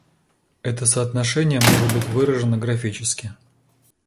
Это соотношение может быть выражено графически.